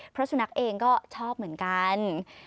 เพราะสุนัขเองก็ชอบเหมือนกัน